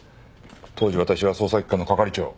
当時私は捜査一課の係長。